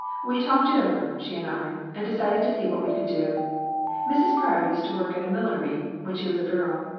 We talked it over, she and I, and decided to see what we could do. Mrs. Pryor used to work at millin ery when she was a girl.